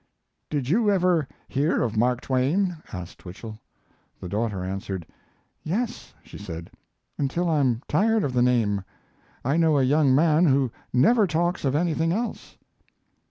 "Did you ever hear of Mark Twain?" asked Twichell. The daughter answered. "Yes," she said, "until I'm tired of the name. I know a young man who never talks of anything else."